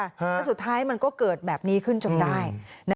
แล้วสุดท้ายมันก็เกิดแบบนี้ขึ้นจนได้